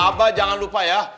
abah jangan lupa ya